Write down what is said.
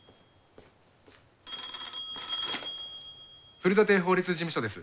古館法律事務所です。